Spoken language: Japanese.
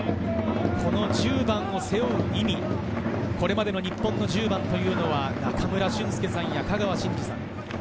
この１０番を背負う意味、これまでの日本の１０番というのは中村俊輔さんや香川真司さん。